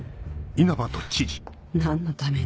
何のために？